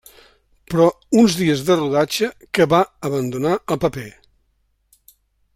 Però uns dies de rodatge, que va abandonar el paper.